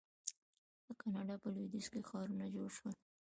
د کاناډا په لویدیځ کې ښارونه جوړ شول.